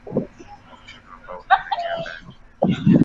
wa kushoto ambao unaelekea ndani ya